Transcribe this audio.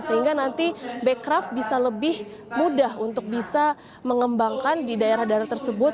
sehingga nanti bekraf bisa lebih mudah untuk bisa mengembangkan di daerah daerah tersebut